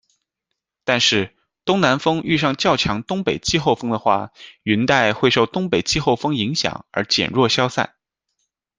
但是，东南风遇上较强东北季候风的话，云带会受东北季候风影响而减弱消散。